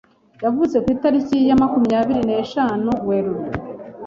yavutse ku itariki ya makumyabiri neshanu Werurwe